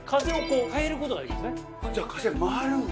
じゃあ風回るんだ。